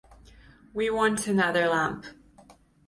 We want another lamp.